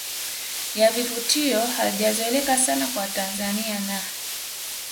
ya vivutio halijazoeleka sana kwa Watanzania na